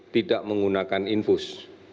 tidak menggunakan infus